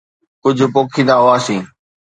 ڪپهه پوکيندا هئاسين.